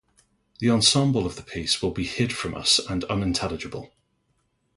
The ensemble of the piece will be hid from us and unintelligible.